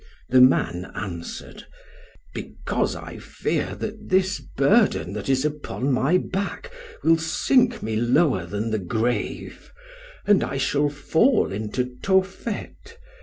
The man answered, 'Because I fear that this burden that is upon my back will sink me lower than the grave, and I shall fall into Tophet.